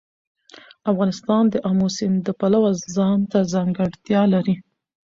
افغانستان د آمو سیند د پلوه ځانته ځانګړتیا لري.